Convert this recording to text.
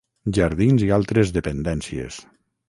Jardins i altres dependències.